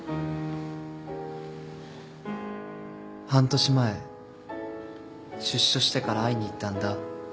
半年前出所してから会いに行ったんだ